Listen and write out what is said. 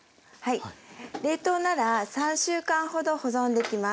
冷凍なら３週間ほど保存できます。